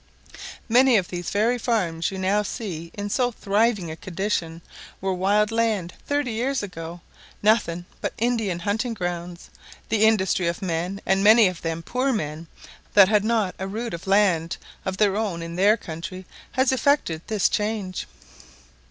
"Many of these very farms you now see in so thriving a condition were wild land thirty years ago, nothing but Indian hunting grounds. The industry of men, and many of them poor men, that had not a rood of land of their own in their own country, has effected this change."